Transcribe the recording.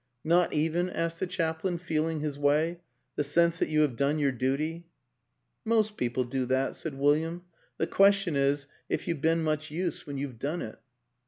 " Not even," asked the chaplain, feeling his way, " the sense that you have done your duty? "" Most people do that," said William. " The question is ... if you've been much use when you've done it."